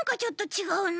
ちがうか。